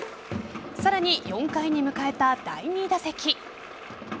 さらに、４回に迎えた第２打席。